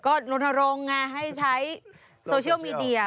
ก็ลนโรงไงให้ใช้โซเชียลมีเดีย